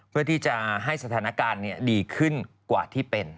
เพื่อที่จะให้สถานการณ์ดีขึ้นกว่าที่เป็น